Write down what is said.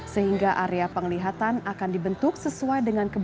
sehingga area penglihatan akan dibentuk sesuai